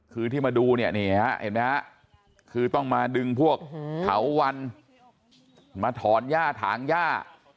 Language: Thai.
คือที่มาดูเนี่ยนี่ฮะเห็นไหมฮะคือต้องมาดึงพวกเถาวันมาถอนย่าถางย่า